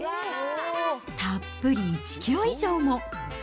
たっぷり１キロ以上も。